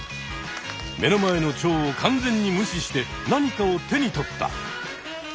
目の前のチョウを完全に無視して何かを手に取った。